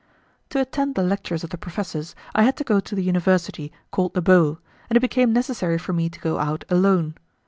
To attend the lectures of the professors, I had to go to the university called the Bo, and it became necessary for me to go out alone.